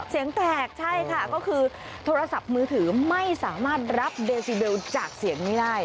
เสียงแตกใช่ค่ะก็คือโทรศัพท์มือถือไม่สามารถรับเบซิเบลจากเสียงนี้ได้